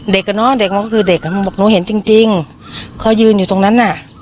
อ่ะเนอะเด็กมันก็คือเด็กอ่ะมันบอกหนูเห็นจริงจริงเขายืนอยู่ตรงนั้นน่ะ